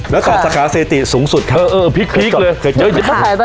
แล้วก็สาขาเศตีชุมสุดให้เออภิกษ์เลย